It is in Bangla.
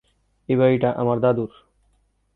এই বাড়িটা আমার দাদুর।